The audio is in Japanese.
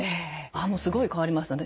あもうすごい変わりましたね。